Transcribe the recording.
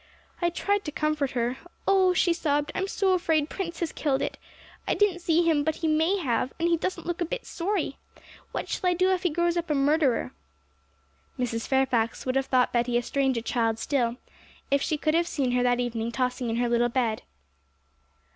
I tried to comfort her. "Oh," she sobbed; "I'm so afraid Prince has killed it. I didn't see him, but he may have; and he doesn't look a bit sorry. What shall I do if he grows up a murderer!"' Mrs. Fairfax would have thought Betty a stranger child still, if she could have seen her that evening tossing in her little bed.